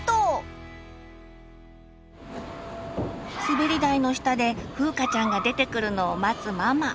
滑り台の下でふうかちゃんが出てくるのを待つママ。